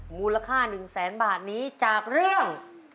มูลค่า๑แสนบาทนี้จากเรื่อง